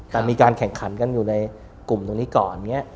แต่มีการแข่งขันกันอยู่ในกลุ่มตรงนี้ก่อน